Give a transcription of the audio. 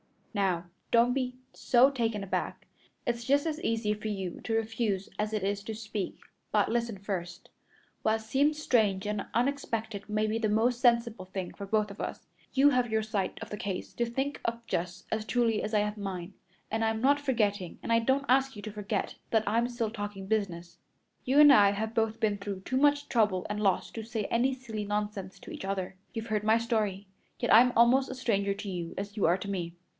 "Now don't be so taken aback. It's just as easy for you to refuse as it is to speak, but listen first. What seems strange and unexpected may be the most sensible thing for us both. You have your side of the case to think of just as truly as I have mine; and I'm not forgetting, and I don't ask you to forget, that I'm still talking business. You and I have both been through too much trouble and loss to say any silly nonsense to each other. You've heard my story, yet I'm almost a stranger to you as you are to me.